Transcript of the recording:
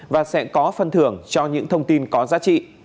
và sẽ có phân thưởng cho những thông tin có giá trị